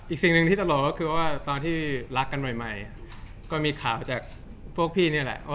สิ่งหนึ่งที่ตลกก็คือว่าตอนที่รักกันใหม่ก็มีข่าวจากพวกพี่นี่แหละ